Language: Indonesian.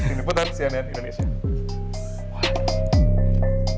ini putar cnn indonesia